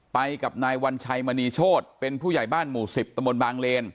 ไปกับนายวัญชัยมณีโชธเป็นผู้ใหญ่บ้านหมู่๑๐ตะบนบางเลน